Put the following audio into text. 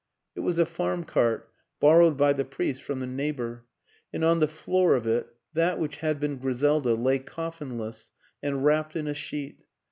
It was a farm cart, borrowed by the priest from a neighbor; and on the floor of it that which had been Griselda lay coffinless and wrapped in a sheet.